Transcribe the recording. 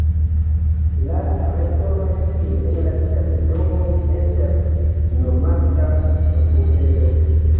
La restoracio en la stacidomoj estas nomata bufedo.